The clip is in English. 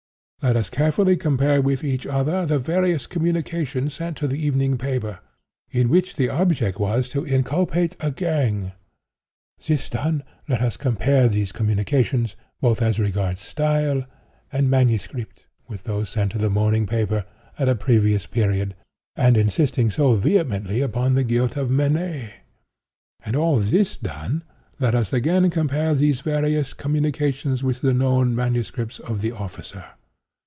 Let us carefully compare with each other the various communications sent to the evening paper, in which the object was to inculpate a gang. This done, let us compare these communications, both as regards style and MS., with those sent to the morning paper, at a previous period, and insisting so vehemently upon the guilt of Mennais. And, all this done, let us again compare these various communications with the known MSS. of the officer.